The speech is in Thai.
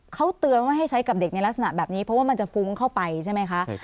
เขาเตือนว่าให้ใช้กับเด็กในลักษณะแบบนี้เพราะว่ามันจะฟุ้งเข้าไปใช่ไหมคะ